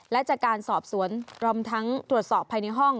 และจากการสอบสวนรวมทั้งตรวจสอบภายในห้อง